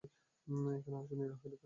এখানে আসো, নীহারিকা।